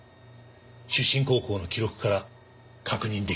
出身高校の記録から確認出来ました。